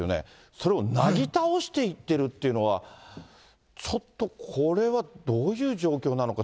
それをなぎ倒していってるっていうのは、ちょっと、これはどういう状況なのか。